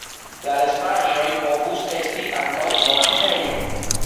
La restaĵoj povus esti ankaŭ monaĥejo.